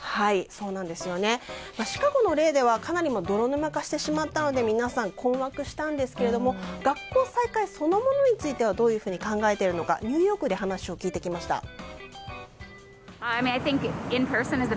シカゴの例ではかなり泥沼化してしまったので皆さん、困惑したんですけども学校再開そのものについてはどういうふうに考えているのかニューヨークで話を聞いてきました。